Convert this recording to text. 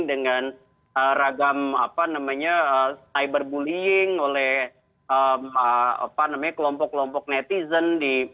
dengan ragam cyberbullying oleh kelompok kelompok netizen